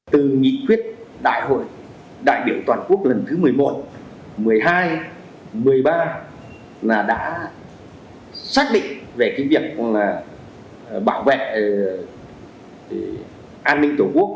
từ nghị quyết đại hội đại biểu toàn quốc lần thứ một mươi một một mươi hai một mươi ba là đã xác định về cái việc là bảo vệ an ninh tổ quốc